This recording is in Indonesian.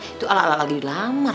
itu ala ala lagi dilamar